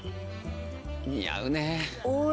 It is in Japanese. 似合うね。